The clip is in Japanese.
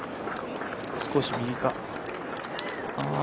少し右か？